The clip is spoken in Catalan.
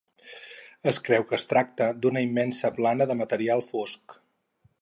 Es creu que es tracta d'una immensa plana de material fosc.